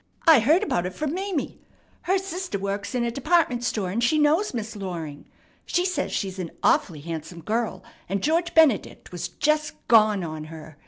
I heard about it from Mame. Her sister works in a department store, and she knows Miss Loring. She says she's an awfully handsome girl, and George Benedict was just gone on her.